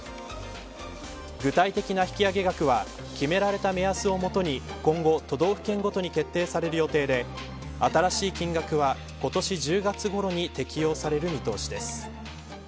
具体的な引き上げ額は決められた目安をもとに今後、都道府県ごとに決定される予定で新しい金額は今年１０月ごろに適用される見通しです。